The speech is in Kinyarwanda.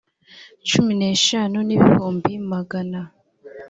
cumi n eshanu n ibihumbi magana